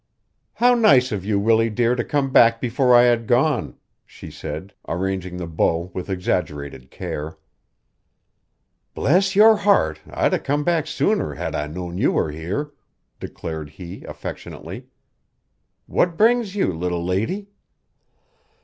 "How nice of you, Willie dear, to come back before I had gone!" she said, arranging the bow with exaggerated care. "Bless your heart, I'd 'a' come back sooner had I known you were here," declared he affectionately. "What brings you, little lady?"